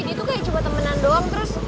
dia tuh kayak cuma temenan doang terus